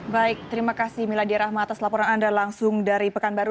baik terima kasih miladia rahma atas laporan anda langsung dari pekanbaru